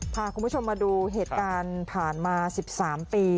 พาคุณผู้ชมมาดูเหตุการณ์ผ่านมา๑๓ปี